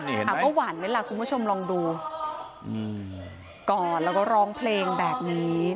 ถามว่าหวานไหมล่ะคุณผู้ชมลองดูกอดแล้วก็ร้องเพลงแบบนี้